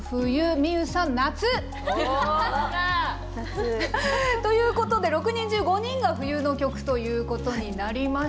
ｍｉｙｏｕさん夏！ということで６人中５人が冬の曲ということになりました。